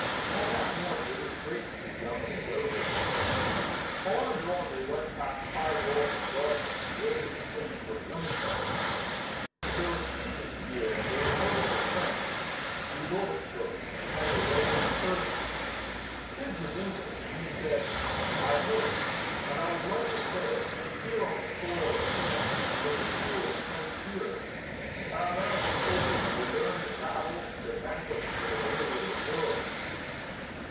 On that morning it was great to be young and a doughboy. On and on they went past high walls and gardens to the edge of the city to a cemetery. There were speeches here and they were mostly French. Ribot spoke and Painlevé and Pershing. His was English and he said: "I hope, and I would like to say it that here on the soil of France and in the school of the French heroes, our American soldiers may learn to battle and to vanquish for the liberty of the world."